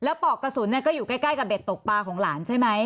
แล้วปอกกระสุนเนี่ยก็อยู่ใกล้ใกล้กับเบ็ดตกปลาของหลานใช่ไหม